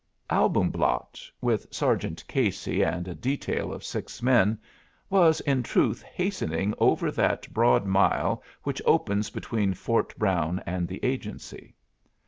Albumblatt, with Sergeant Casey and a detail of six men, was in truth hastening over that broad mile which opens between Fort Brown and the Agency.